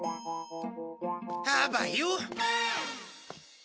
あばよ。